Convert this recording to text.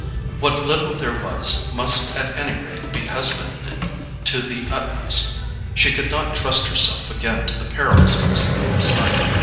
What little there was must at any rate be husbanded to the utmost; she could not trust herself again to the perils of a sleepless night.